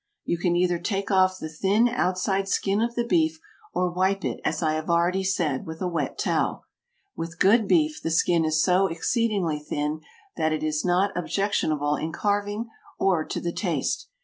You can either take off the thin, outside skin of the beef or wipe it as I have already said, with a wet towel. With good beef the skin is so exceedingly thin that it is not objectionable in carving or to the taste.